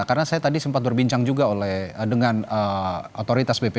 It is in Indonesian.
karena saya tadi sempat berbincang juga dengan otoritas bp